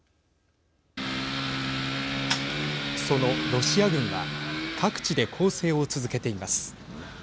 そのロシア軍は、各地で攻勢を続けています。